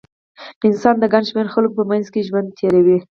انسان د ګڼ شمېر خلکو په منځ کې ژوند تېروي.